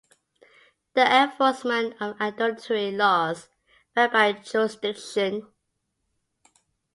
The enforcement of adultery laws varied by jurisdiction.